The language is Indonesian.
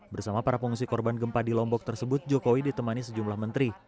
bersama para pengungsi korban gempa di lombok tersebut jokowi ditemani sejumlah menteri